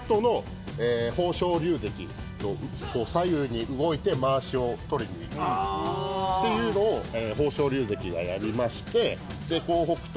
その後、左右に動いてまわしを取りにいくというのを豊昇龍関がやりまして北勝